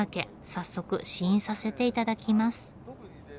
早速試飲させて頂きます。